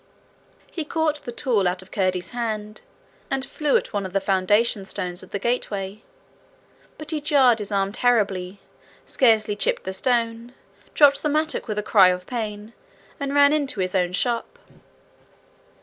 He caught the tool out of Curdie's hand, and flew at one of the foundation stones of the gateway. But he jarred his arm terribly, scarcely chipped the stone, dropped the mattock with a cry of pain, and ran into his own shop.